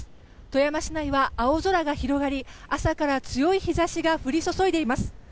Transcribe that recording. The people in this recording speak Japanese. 富山市内は青空が広がり朝から強い日差しが降り注いでいます。